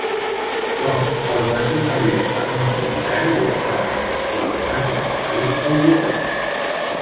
Com el nacionalisme minoritari està reconfigurant l’espai europeu.